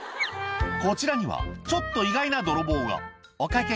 こちらにはちょっと意外な泥棒が「お会計